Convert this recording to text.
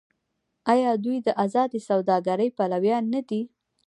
آیا دوی د ازادې سوداګرۍ پلویان نه دي؟